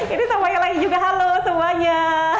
ini semuanya lagi juga halo semuanya